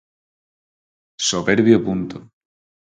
Soberbio punto.